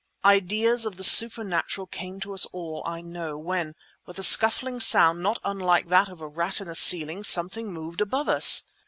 Ideas of the supernatural came to us all, I know; when, with a scuffling sound not unlike that of a rat in a ceiling, something moved above us!